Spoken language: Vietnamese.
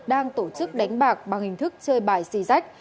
đang tổ chức đánh bạc bằng hình thức chơi bài xì rách